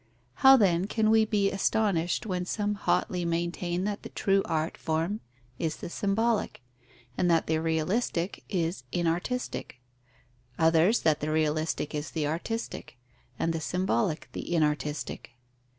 How, then, can we be astonished when some hotly maintain that the true art form is the symbolic, and that the realistic is inartistic; others, that the realistic is the artistic, and the symbolic the inartistic?